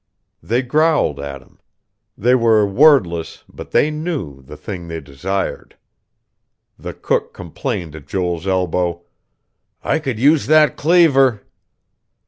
They growled at him; they were wordless, but they knew the thing they desired. The cook complained at Joel's elbow: "I could use that cleaver."